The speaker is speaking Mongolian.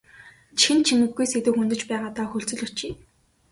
Чихэнд чимэггүй сэдэв хөндөж байгаадаа хүлцэл өчье.